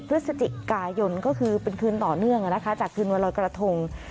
พฤศจิกายนก็คือเป็นคืนต่อเนื่องจากคืนวันรอยกระทง